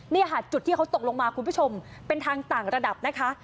นี่ค่ะจุดที่เขาตกลงมาคุณผู้ชมเป็นทางต่างระดับนะคะ